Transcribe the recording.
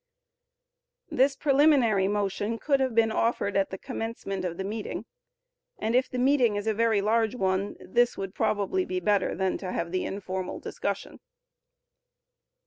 This preliminary motion could have been offered at the commencement of the meeting, and if the meeting is a very large one, this would probably be better than to have the informal discussion.